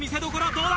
どうだ？